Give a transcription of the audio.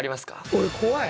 俺怖い。